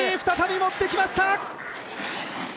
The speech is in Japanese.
再び持ってきました！